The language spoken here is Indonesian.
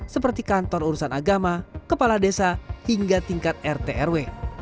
seperti kantor urusan agama kepala desa hingga tingkat rtrw